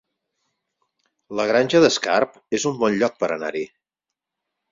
La Granja d'Escarp es un bon lloc per anar-hi